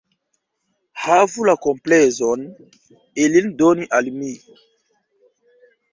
Havu la komplezon, ilin doni al mi.